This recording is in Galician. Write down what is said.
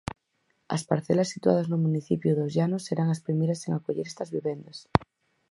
As parcelas situadas no municipio dos Llanos serán as primeiras en acoller estas vivendas.